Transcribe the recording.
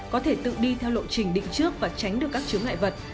có thể tự đi theo lộ trình định trước và tránh được các chứng ngại vật